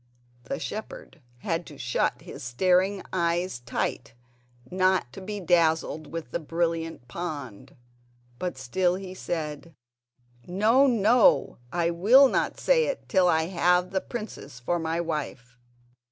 '" The shepherd had to shut his staring eyes tight not to be dazzled with the brilliant pond, but still he said: "No, no; I will not say it till I have the princess for my wife."